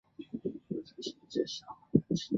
这近似成立的条件是上述不等式。